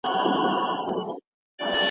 څېړنه له ژبپوهنې سره نږدې تړاو لري.